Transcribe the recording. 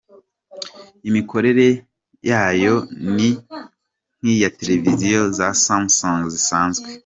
Imikorere yayo ni nk’iya televiziyo za Samsung zisanzwe.